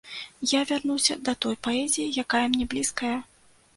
Я вярнуся да той паэзіі, якая мне блізкая.